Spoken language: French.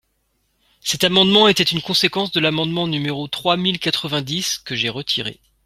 Cet amendement était une conséquence de l’amendement numéro trois mille quatre-vingt-dix, que j’ai retiré.